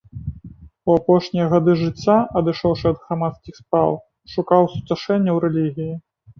У апошнія гады жыцця адышоўшы ад грамадскіх спраў, шукаў суцяшэння ў рэлігіі.